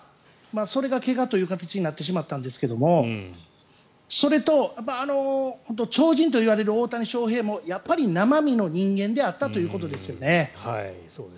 それが怪我という形になってしまったんですがそれと超人といわれる大谷翔平もやっぱり生身の人間であったということですよね。